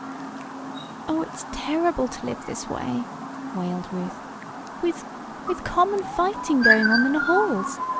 "Oh, it's terrible to live this way!" wailed Ruth. "With with common fighting going on in the halls!